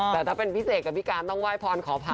แต่ถ้าเป็นพี่เสกกับพี่การต้องไหว้พรขอผ่าน